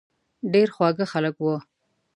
ډېر خواږه خلک وو.